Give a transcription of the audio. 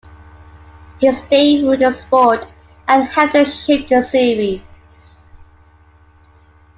He stayed with the sport, and helped shape the series.